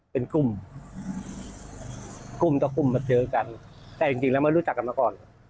เป็นกลุ่มกลุ่มต่อกลุ่มมาเจอกันแต่จริงจริงแล้วไม่รู้จักกันมาก่อน